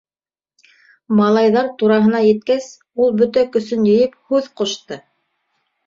Малайҙар тураһына еткәс, ул, бөтә көсөн йыйып, һүҙ ҡушты: